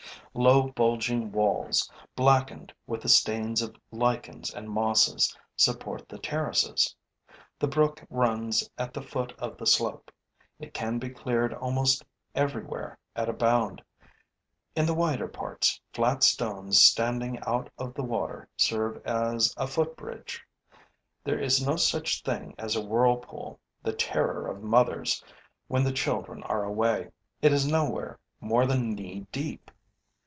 Low bulging walls, blackened with the stains of lichens and mosses, support the terraces. The brook runs at the foot of the slope. It can be cleared almost everywhere at a bound. In the wider parts, flat stones standing out of the water serve as a foot bridge. There is no such thing as a whirlpool, the terror of mothers when the children are away; it is nowhere more than knee deep.